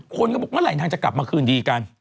คนก็บอกว่าไหนทางจะกลับมาคืนดีกัน